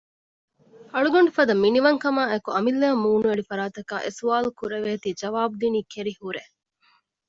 އަޅުގަނޑުފަދަ މިނިވަންކަމާއި އެކު އަމިއްލައަށް މޫނުއެޅި ފަރާތަކާ އެ ސުވާްލު ކުރެވޭތީ ޖަވާބު ދިނީ ކެރިހުރޭ